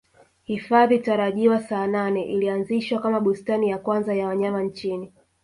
Hifadhi tarajiwa Saanane ilianzishwa kama bustani ya kwanza ya wanyama nchini